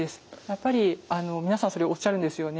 やっぱり皆さんそれおっしゃるんですよね。